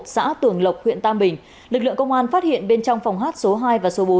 xã tường lộc huyện tam bình lực lượng công an phát hiện bên trong phòng hát số hai và số bốn